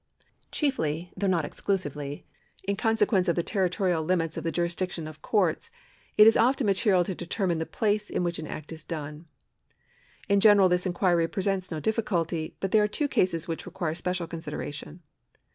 Chiefly, though not exclusively, in consequence of the territorial limits of the jurisdiction of courts, it is often material to determine the place in which an act is done. In general this inquiry presents no difficulty, but there are two cases which require special consideration.